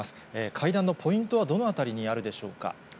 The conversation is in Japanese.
会談のポイントはどのあたりにあるでしょうか。